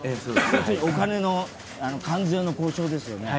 お金の関税の交渉ですよね。